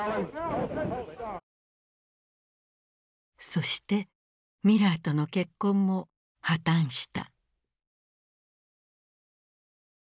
そしてミラーとの結婚も破綻した。